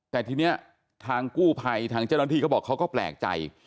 แต่ทีนี้ทางกู้ภัยทางเจ้าหน้าที่เขาบอกเขาก็แปลกใจ